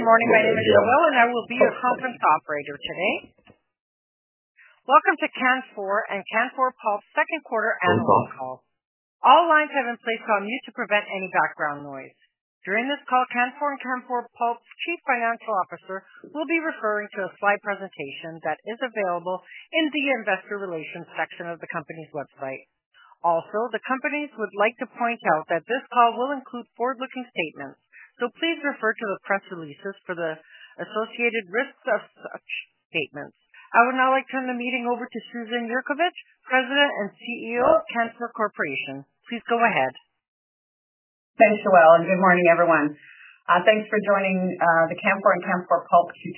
Good morning. My name is Lea Will, and I will be your conference operator today. Welcome to Canfor and Canfor Pulp Products Inc.'s second quarter annual phone call. All lines have been placed on mute to prevent any background noise. During this call, Canfor and Canfor Pulp's Chief Financial Officer will be referring to a slide presentation that is available in the Investor Relations section of the company's website. Also, the companies would like to point out that this call will include forward-looking statements, so please refer to the press releases for the associated risks of such statements. I would now like to turn the meeting over to Susan Yurkovich, President and CEO of Canfor. Thanks, Lea, and good morning, everyone. Thanks for joining the Canfor and Canfor Pulp Q2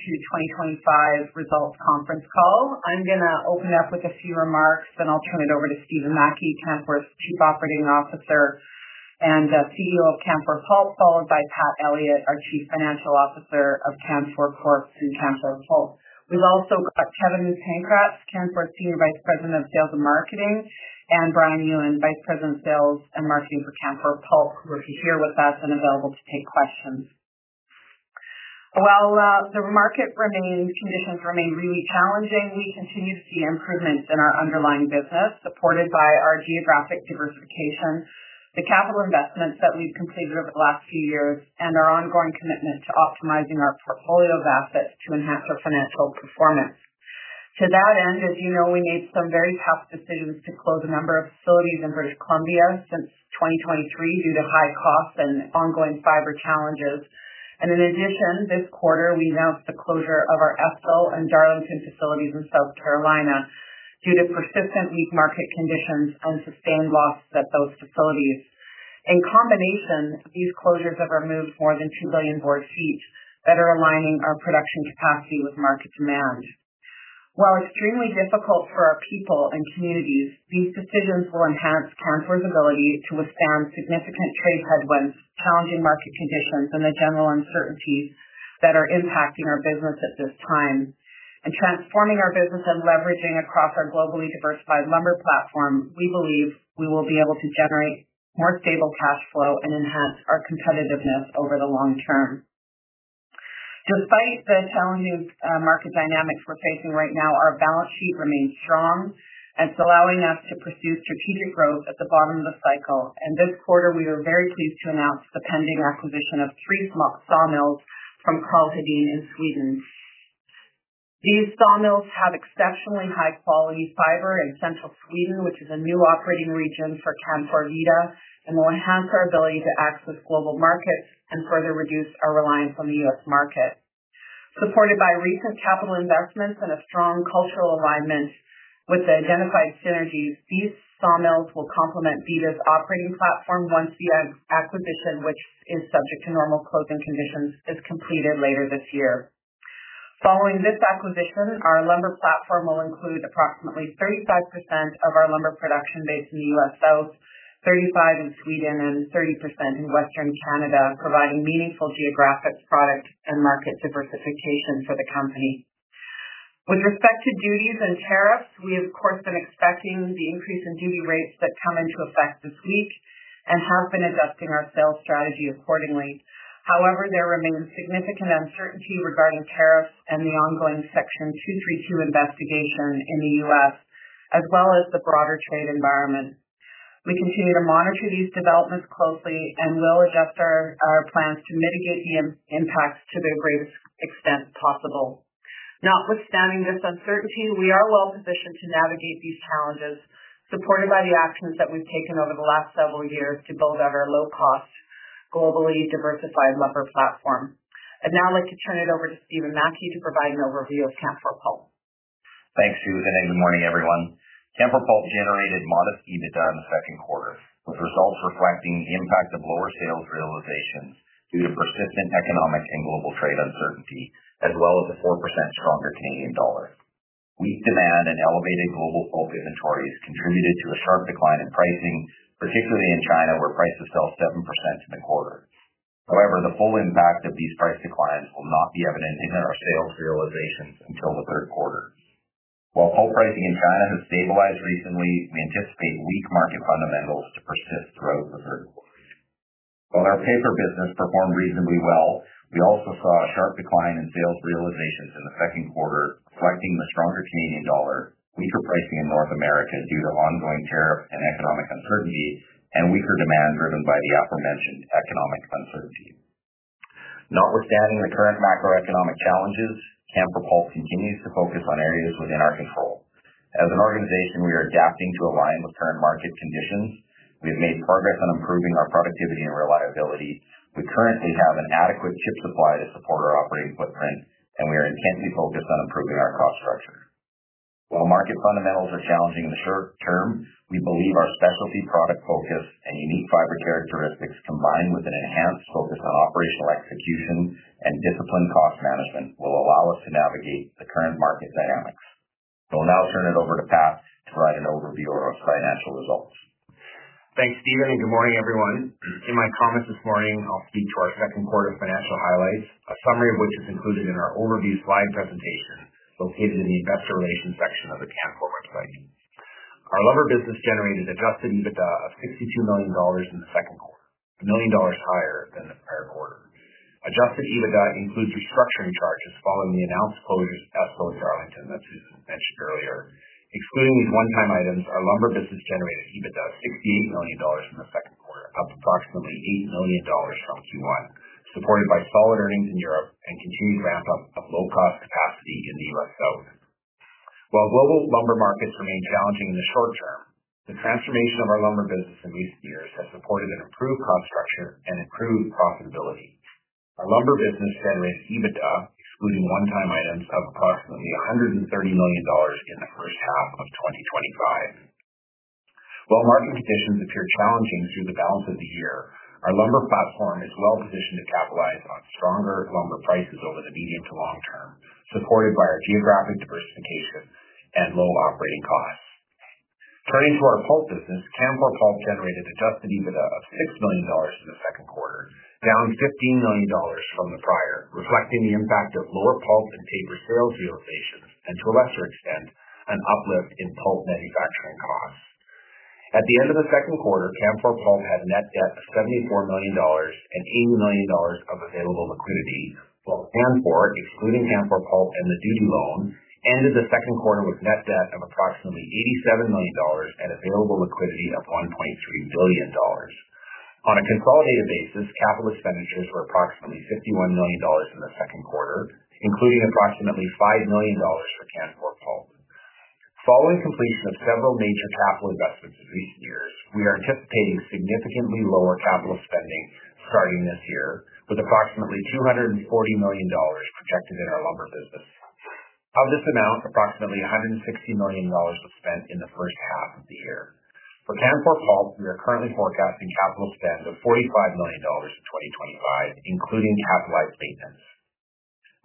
2025 results conference call. I'm going to open up with a few remarks, then I'll turn it over to Stephen Mackie, Canfor's Chief Operating Officer and CEO of Canfor Pulp, followed by Pat Elliott, our Chief Financial Officer of Canfor Corporation through Canfor Pulp. We've also got Kevin Pankratz, Canfor's Senior Vice President of Sales and Marketing, and Brian Yuen, Vice President of Sales and Marketing for Canfor Pulp, who are here with us and available to take questions. While the market conditions remain really challenging, we continue to see improvement in our underlying business, supported by our geographic diversification, the capital investments that we've completed over the last few years, and our ongoing commitment to optimizing our portfolio of assets to enhance our financial performance. To that end, as you know, we made some very tough decisions to close a number of facilities in British Columbia since 2023 due to high costs and ongoing fiber challenges. In addition, this quarter, we announced the closure of our ESCO and Darlington facilities in South Carolina due to persistent weak market conditions and sustained losses at those facilities. In combination, these closures have removed more than 2 billion board feet that are aligning our production capacity with market demand. While extremely difficult for our people and communities, these decisions will enhance Canfor's ability to withstand significant trade headwinds, challenging market conditions, and the general uncertainty that are impacting our business at this time. In transforming our business and leveraging across our globally diversified lumber platform, we believe we will be able to generate more stable cash flow and enhance our competitiveness over the long term. Despite the challenging market dynamics we're facing right now, our balance sheet remains strong and is allowing us to pursue strategic growth at the bottom of the cycle. This quarter, we are very pleased to announce the pending acquisition of three small sawmills from Carl Hedin in Sweden. These sawmills have exceptionally high-quality fiber in Central Sweden, which is a new operating region for Canfor, and will enhance our ability to access global markets and further reduce our reliance on the U.S. market. Supported by recent capital investments and a strong cultural alignment with the identified synergies, these sawmills will complement Vita's operating platform once the acquisition, which is subject to normal closing conditions, is completed later this year. Following this acquisition, our lumber platform will include approximately 35% of our lumber production base in the US South, 35% in Sweden, and 30% in Western Canada, providing meaningful geographic products and market diversification for the company. With respect to duties and tariffs, we have, of course, been expecting the increase in duty rates that come into effect this week and have been adjusting our sales strategy accordingly. However, there remains significant uncertainty regarding tariffs and the ongoing Section 232 investigation in the U.S., as well as the broader trade environment. We continue to monitor these developments closely and will adjust our plans to mitigate the impacts to the greatest extent possible. Notwithstanding this uncertainty, we are well positioned to navigate these challenges, supported by the actions that we've taken over the last several years to build out our low-cost, globally diversified lumber platform. I'd now like to turn it over to Stephen Mackie to provide an overview of Canfor Pulp. Thanks, Susan. Good morning, everyone. Canfor Pulp generated modest dividends in the second quarter, with results reflecting the impact of lower sales realizations due to persistent economic and global trade uncertainty, as well as a 4% stronger Canadian dollar. Weak demand and elevated global pulp inventories contributed to a sharp decline in pricing, particularly in China, where prices fell 7% in the quarter. However, the full impact of these price declines will not be evident in our sales realizations until the third quarter. While pulp pricing in China has stabilized recently, we anticipate weak market fundamentals to persist throughout the third quarter. While our paper business performed reasonably well, we also saw a sharp decline in sales realizations in the second quarter, reflecting the stronger Canadian dollar, weaker pricing in North America due to ongoing tariffs and economic uncertainty, and weaker demand driven by the aforementioned economic uncertainty. Notwithstanding the current macroeconomic challenges, Canfor Pulp continues to focus on areas within our control. As an organization, we are adapting to align with current market conditions. We've made progress on improving our productivity and reliability. We currently have an adequate chip supply to support our operating footprint, and we are intentionally focused on improving our cost structure. While market fundamentals are challenging in the short term, we believe our specialty product focus and unique fiber characteristics, combined with an enhanced focus on operational execution and disciplined cost management, will allow us to navigate the current market dynamics. I will now turn it over to Pat to provide an overview of our financial results. Thanks, Stephen, and good morning, everyone. In my comments this morning, I'll speak to our second quarter financial highlights, a summary of which is included in our overview slide presentation located in the Investor Relations section of the Canfor Pulp website. Our lumber business generated adjusted EBITDA of $62 million in the second quarter, $1 million higher than the prior quarter. Adjusted EBITDA includes restructuring charges following the announced closing of CapCo and Verizon, as Susan mentioned earlier. Excluding these one-time items, our lumber business generated EBITDA of $68 million in the second quarter, up approximately $80 million from Q1, supported by solid earnings in Europe and continued to ramp up low-cost capacity in the US South. While global lumber markets remain challenging in the short term, the transformation of our lumber business in recent years has supported an improved cost structure and improved profitability. Our lumber business generated EBITDA, including one-time items, of approximately $130 million in the first half of 2025. While market conditions appear challenging through the balance of the year, our lumber platform is well positioned to capitalize on stronger lumber prices over the medium to long term, supported by our geographic diversification and low operating costs. Turning to our pulp business, Canfor Pulp generated adjusted EBITDA of $6 million in the second quarter, down $15 million from the prior, reflecting the impact of lower pulp and paper sales realizations and, to a lesser extent, an uplift in pulp manufacturing costs. At the end of the second quarter, Canfor Pulp Products Inc. had a net debt of $74 million and $80 million of available liquidity, while Canfor, excluding Canfor Pulp and the duty loan, ended the second quarter with a net debt of approximately $87 million and available liquidity of $1.3 billion. On a consolidated basis, capital expenditures were approximately $51 million in the second quarter, including approximately $5 million for Canfor Pulp Products Inc. Following completion of several major capital investments this year, we are anticipating significantly lower capital spending starting this year, with approximately $240 million invested in our lumber business. Of this amount, approximately $160 million was spent in the first half of the year. For Canfor Pulp, we are currently forecasting capital spend of $45 million in 2025, including capitalized maintenance.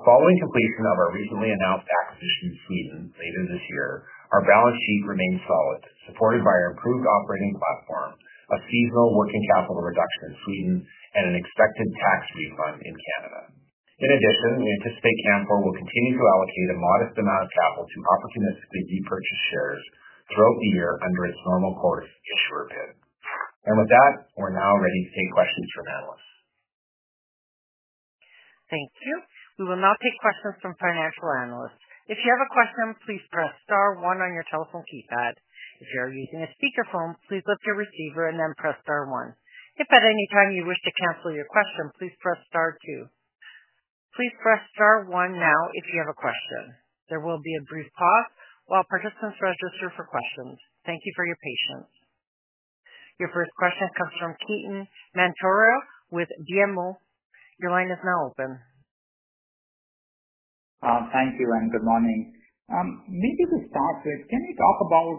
Following completion of our recently announced acquisition in Sweden later this year, our balance sheet remains solid, supported by our improved operating platform, a seasonal working capital reduction in Sweden, and an expected tax refund in Canada. In addition, we anticipate Canfor will continue to allocate a modest amount of capital to opportunistically repurchase shares throughout the year under its normal course if it were to. With that, we're now ready to take questions from analysts. Thank you. We will now take questions from financial analysts. If you have a question, please press star one on your telephone keypad. If you are using a speaker phone, please lift your receiver and then press star one. If at any time you wish to cancel your question, please press star two. Please press star one now if you have a question. There will be a brief pause while participants register for questions. Thank you for your patience. Your first question comes from Ketan Mamtora with BMO. Your line is now open. Thank you and good morning. Maybe we start with, can we talk about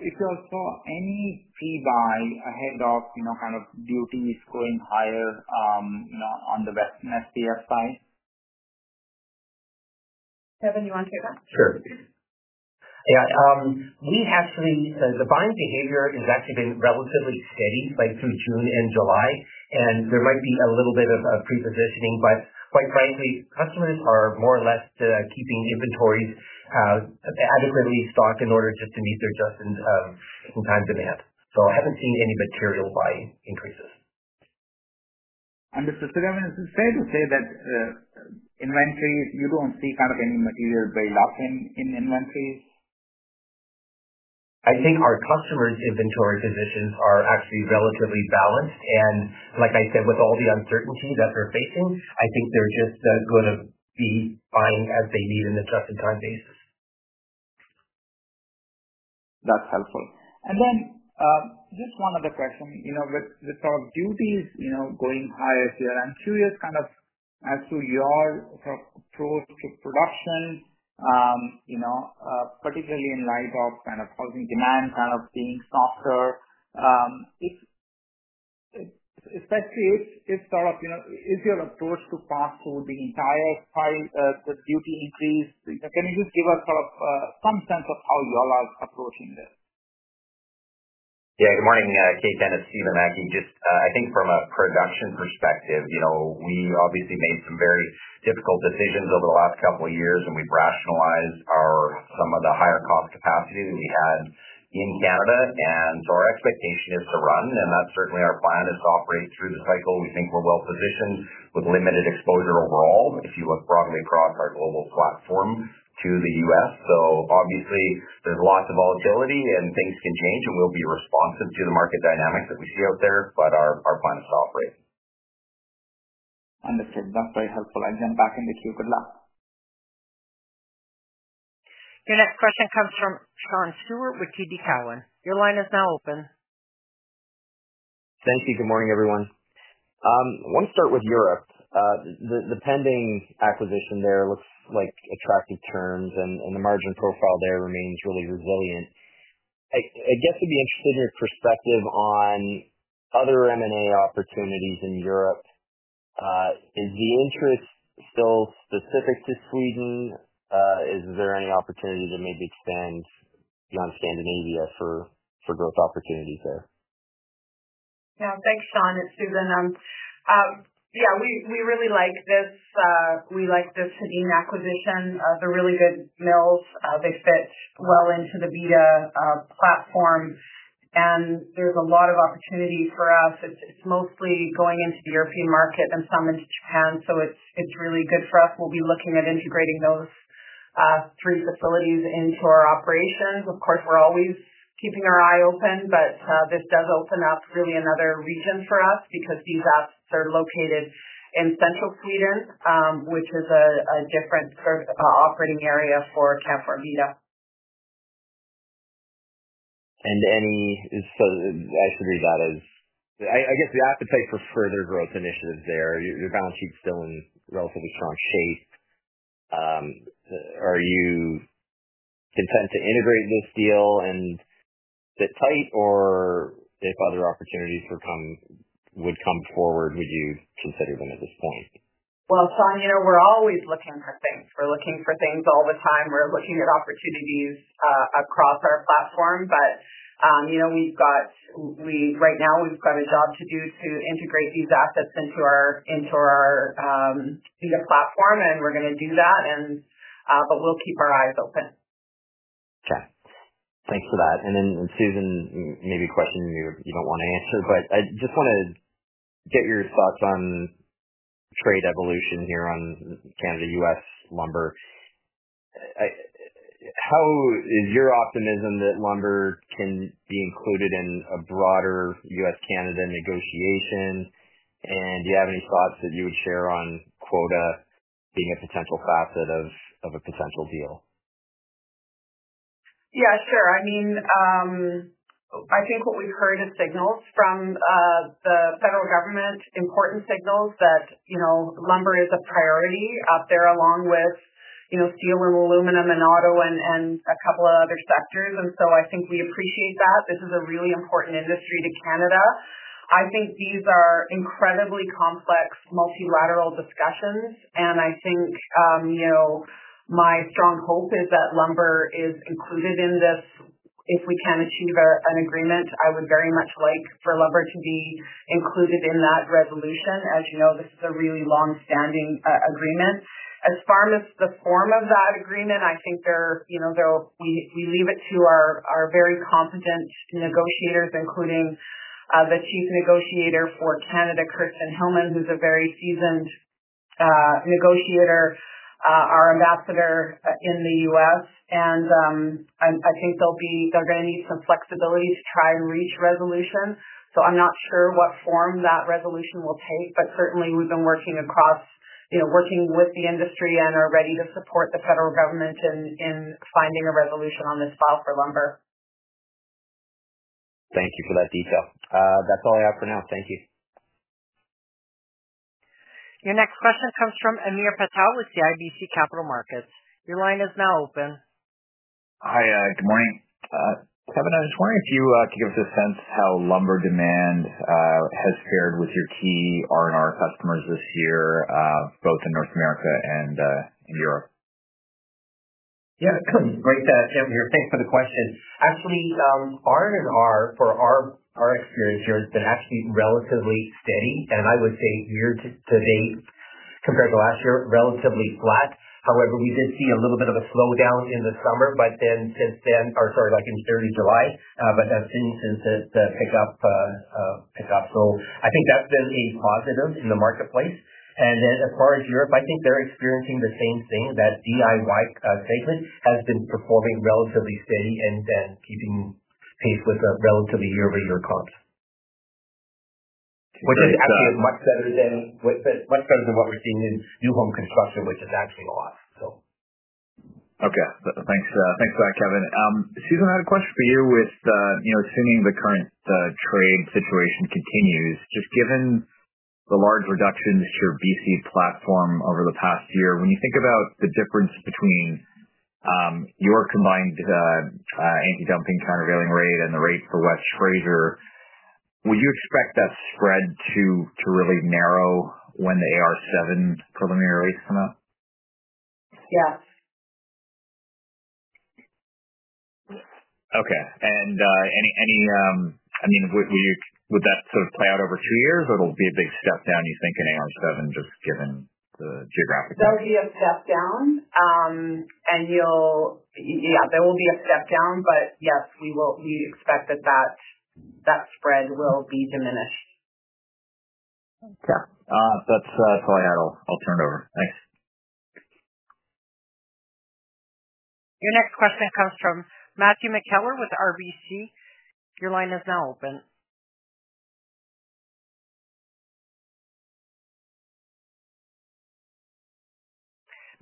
if you saw any see buy ahead of, you know, kind of duties creeping higher on the STF guys? Kevin, you want to take that? Sure. Yeah. The buying behavior has actually been relatively steady through June and July, and there might be a little bit of a pre-positioning, but quite frankly, customers are more or less keeping inventories adequately stocked in order just to meet their just-in-time demand. I haven't seen any material buying increases. Kevin, is it safe to say that in one phase you don't see any material buy lock-in in one phase? I think our customers' inventory positions are actually relatively balanced. Like I said, with all the uncertainty that they're facing, I think they're just going to be buying as they need on the just-in-time basis. That's helpful. Just one other question. With our duties going higher here, I'm curious as to your approach to production, particularly in light of demand being softer. Especially if startups, is your approach to pass through the entire duty increase? Can you just give us some sense of how you are approaching this? Yeah, good morning, Ketan and Stephen. I think from a production perspective, we obviously made some very difficult decisions over the last couple of years when we rationalized some of the higher cost capacity that we had in Canada. Our expectation is to run, and that's certainly our plan, to operate through the cycle. We think we're well positioned with limited exposure overall if you look broadly across our global platform to the U.S. There is lots of volatility and things can change, and we'll be responsive to the market dynamics that we see out there, but our plan is to operate. Understood. That's very helpful. I'm back in the queue. Good luck. Your next question comes from Sean Steuart with TD Cowen. Your line is now open. Thanks, Susan. Morning, everyone. I want to start with Europe. The pending acquisition there looks like attractive terms, and the margin profile there remains really resilient. I guess I'd be interested in your perspective on other M&A opportunities in Europe. Is the interest still specific to Sweden? Is there any opportunity to maybe extend beyond Scandinavia for growth opportunities there? Yeah, thanks, Sean. It's Susan. Yeah, we really like this. We like this in-acquisition. They're really good mills. They fit well into the Vita platform, and there's a lot of opportunity for us. It's mostly going into the European market and some into Japan. It's really good for us. We'll be looking at integrating those three facilities into our operations. Of course, we're always keeping our eye open, but this does open up really another reason for us because these assets are located in Central Sweden, which is a different operating area for Canfor Vita. I believe that is, I guess we have to pay for further growth initiatives there. Your balance sheet's still in relatively strong shape. Are you content to integrate this deal and sit tight, or if other opportunities would come forward, would you consider them at this point? Sean, you know, we're always looking for things. We're looking for things all the time. We're looking at opportunities across our platform. Right now, we've got a job to do to integrate these assets into our Vita platform, and we're going to do that. We'll keep our eyes open. Okay. Thanks for that. Susan, maybe a question you don't want to answer, but I just want to get your thoughts on trade evolution here on Canada-U.S. lumber. How is your optimism that lumber can be included in a broader U.S.-Canada negotiation? Do you have any thoughts that you would share on quota being a potential facet of a potential deal? Yeah, sure. I mean, I think what we've heard is signals from the federal government, important signals that, you know, lumber is a priority out there along with, you know, steel and aluminum and auto and a couple of other sectors. I think we appreciate that. This is a really important industry to Canada. I think these are incredibly complex multilateral discussions. I think, you know, my strong hope is that lumber is included in this. If we can achieve an agreement, I would very much like for lumber to be included in that resolution. As you know, this is a really long-standing agreement. As far as the form of that agreement, I think we leave it to our very competent negotiators, including the Chief Negotiator for Canada, Kirsten Hillman, who's a very seasoned negotiator, our Ambassador in the U.S. I think they'll be ready for flexibility to try and reach resolution. I'm not sure what form that resolution will take, but certainly, we've been working across, you know, working with the industry and are ready to support the federal government in finding a resolution on this file for lumber. Thank you for that detail. That's all I have for now. Thank you. Your next question comes from Hamir Patel with CIBC Capital Markets. Your line is now open. Hi, good morning. Kevin, I was wondering if you could give us a sense of how lumber demand has fared with your key R&R customers this year, both in North America and in Europe? Yeah, great to have you. Thanks for the question. Actually, R&R, for our experience here, has been actually relatively steady. I would say year to date, compared to last year, relatively flat. However, we did see a little bit of a slowdown in the summer, like in early July, but I've seen some hiccups. I think that's been a positive in the marketplace. As far as Europe, I think they're experiencing the same thing. That DIY segment has been performing relatively steady and keeping pace with a relatively year-over-year cost, which is actually much better than what we're seeing in new home construction, which is actually lost. Okay. Thanks for that, Kevin. Susan, I had a question for you. Assuming the current trade situation continues, just given the large reduction in the BC platform over the past year, when you think about the difference between your combined anti-dumping countervailing rate and the rate for West Fraser, would you expect that spread to really narrow when the AR7 preliminary rates come out? Yes. Okay. Would that sort of play out over two years, or it'll be a big step down, you think, in AR7, just given the geographic? There will be a step down, but yes, we will expect that that spread will be diminished. Okay, that's probably it. I'll turn it over. Thanks. Your next question comes from Matthew McKellar with RBC. Your line is now open.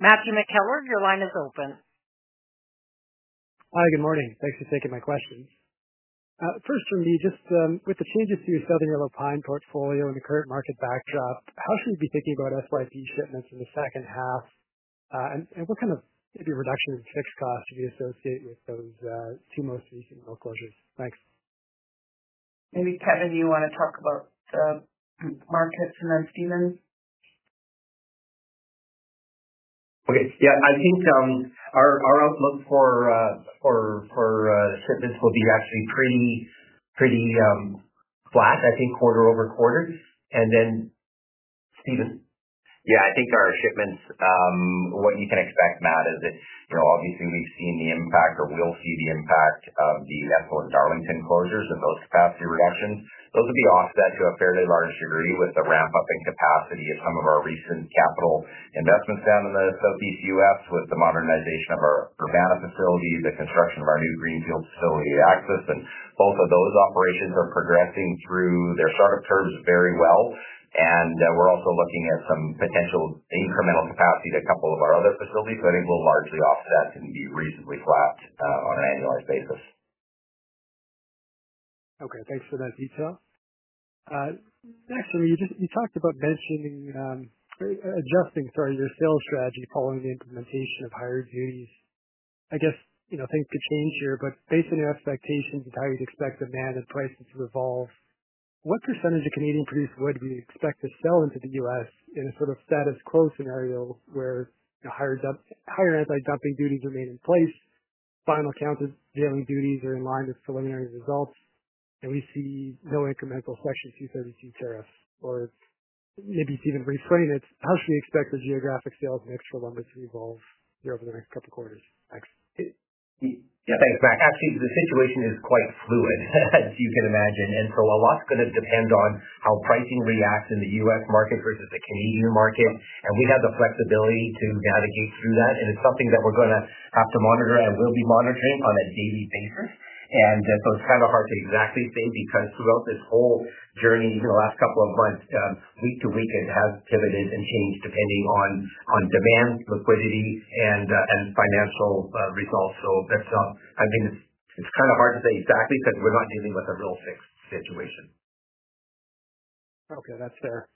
Matthew McKellar, your line is open. Hi, good morning. Thanks for taking my questions. First, for me, just with the changes to your Southern Yellow Pine portfolio and the current market backdrop, how should you be thinking about SYP shipments in the second half? What kind of, maybe, reduction in fixed costs do you associate with those closures? Thanks. Maybe Kevin, do you want to talk about the markets and then Stephen? Okay. I think our outlook for shipments will be actually pretty, pretty flat, I think, quarter over quarter. Stephen? Yeah, I think our shipments, what you can expect, Matt, is it's, you know, obviously, we've seen the impact or will see the impact of the facility closures at Darlington with those capacity reactions. Those would be offsets to a fairly large degree with the ramp-up in capacity of some of our recent capital investments down in the Southeast U.S. with the modernization of our Urbana facility, the construction of our new Greenfield facility at Axis. Both of those operations are progressing through their startup terms very well. We're also looking at some potential incremental capacity to a couple of our other facilities. I think we'll largely offset and be reasonably flat on an annualized basis. Okay. Thanks for that detail. Thanks, Amir. You talked about adjusting your sales strategy following the implementation of higher duties. I guess, you know, things could change here, but based on your expectations of how you'd expect demand and prices to evolve, what percentage of Canadian produced wood do you expect to sell into the U.S. in a sort of status quo scenario where higher anti-dumping duties remain in place, final countervailing duties are in line with preliminary results, and we see no incremental specialty services tariffs? Maybe, Stephen, reframe it. How can you expect the geographic sales mix for lumber to evolve here over the next couple of quarters? Thanks. Yeah, thanks, Matt. Actually, the situation is quite fluid, as you can imagine. A lot's going to depend on how pricing reacts in the U.S. market versus the Canadian market. We have the flexibility to navigate through that. It's something that we're going to have to monitor and will be monitoring on a daily basis. It's kind of hard to exactly say because throughout this whole journey in the last couple of months, week to week, it has pivoted and changed depending on demand, liquidity, and financial results. I think it's kind of hard to say exactly because we're not dealing with a real fixed situation. Okay, that's fair.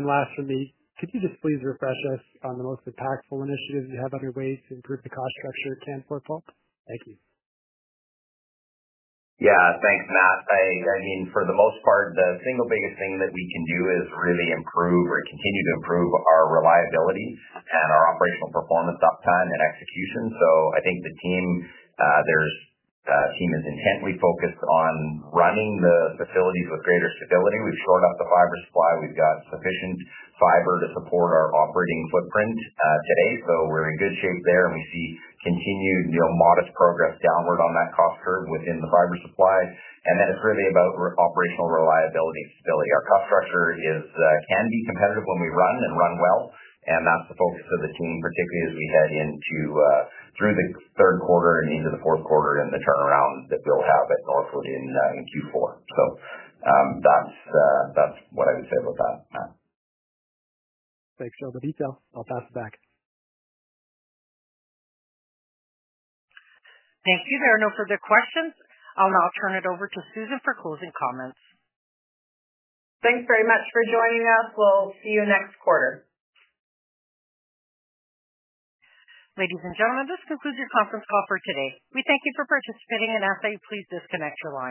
Lastly, could you just please reflect this on the most impactful initiatives you have underway to improve the cost structure at Canfor Pulp? Yeah, thanks, Matt. I mean, for the most part, the single biggest thing that we can do is really improve or continue to improve our reliability and our operational performance, uptime, and execution. I think the team is intently focused on running the facilities with greater stability. We've shored up the fiber supply. We've got sufficient fiber to support our operating footprint today, so we're in good shape there. We see continued modest progress downward on that cost curve within the fiber supply. It's really about operational reliability and stability. Our cost structure can be competitive when we run and run well, and that's the focus of the team, particularly as we head into, through the third quarter and into the fourth quarter and the turnaround that we'll have at Northwood in Q4. That's what I would say about that, Matt. Thanks for all the details. I'll pass it back. Thank you. There are no further questions. I'll now turn it over to Susan for closing comments. Thanks very much for joining us. We'll see you next quarter. Ladies and gentlemen, this concludes your conference call for today. We thank you for participating and ask that you please disconnect your line.